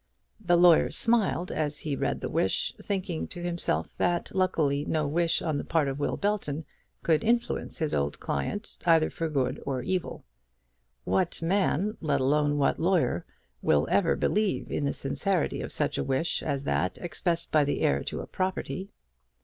The lawyer smiled as he read the wish, thinking to himself that luckily no wish on the part of Will Belton could influence his old client either for good or evil. What man, let alone what lawyer, will ever believe in the sincerity of such a wish as that expressed by the heir to a property?